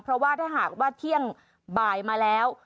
เพราะว่าถ้าหากว่าเที่ยงบ่ายมาแล้ว